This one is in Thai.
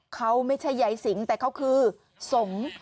เขาไม่ใช่ยายสิงแต่เขาคือสงฆ์